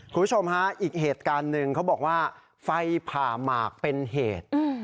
คุณผู้ชมฮะอีกเหตุการณ์หนึ่งเขาบอกว่าไฟผ่าหมากเป็นเหตุ